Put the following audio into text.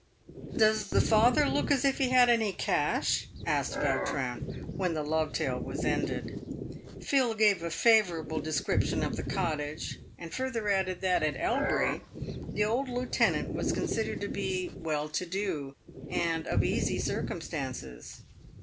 " Does the father look as if he had any cash ?" asked Vautrin, w r hen the love tale was ended. Phil gave a favourable description of the cottage, and further added that, at Elbury, the old lieutenant was considered to be well to do, and of easy circumstances.